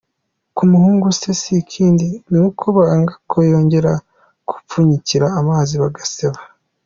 Kumuhunga si ikindi ni uko banga ko yongera kubapfunyikira amazi bagaseba.